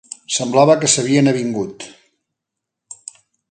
Semblava que s’havien avingut